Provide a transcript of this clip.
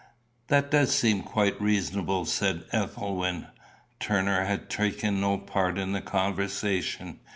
"That does seem quite reasonable," said Ethelwyn. Turner had taken no part in the conversation.